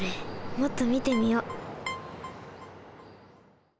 もっとみてみよう。